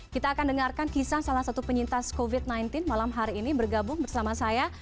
kita akan dengarkan kisah salah satu penyintas covid sembilan belas malam hari ini bergabung bersama saya